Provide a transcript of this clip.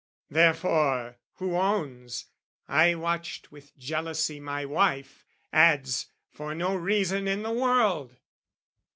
Therefore who owns "I watched with jealousy "My wife" adds "for no reason in the world!"